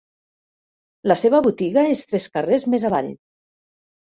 La seva botiga és tres carrers més avall.